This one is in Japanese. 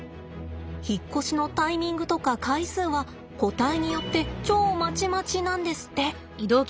引っ越しのタイミングとか回数は個体によって超まちまちなんですって。